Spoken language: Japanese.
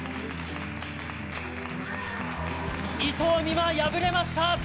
伊藤美誠敗れました！